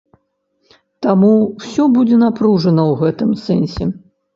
Таму ўсё будзе напружана ў гэтым сэнсе.